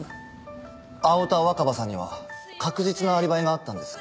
青田若葉さんには確実なアリバイがあったんです。